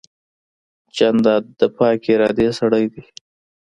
جانداد د پاکې ارادې سړی دی.